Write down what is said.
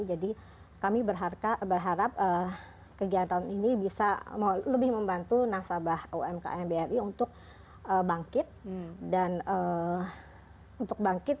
jadi kami berharap kegiatan ini bisa lebih membantu nasabah umkm bri untuk bangkit